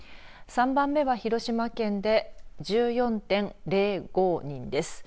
３番目は広島県で１４．０５人です。